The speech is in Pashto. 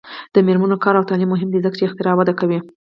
د میرمنو کار او تعلیم مهم دی ځکه چې اختراع وده کوي.